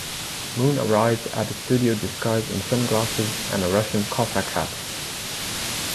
Moon arrived at the studio disguised in sunglasses and a Russian cossack hat.